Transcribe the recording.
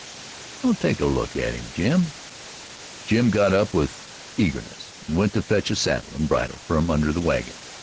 "I'll take a look at him, Jim." Jim got up with eagerness, and went to fetch a saddle and bridle from under the wagon.